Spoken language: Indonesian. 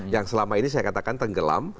yang selama ini saya katakan tenggelam